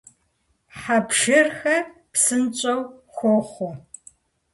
Хьэ пшырхэр псынщӀэу хохъуэ.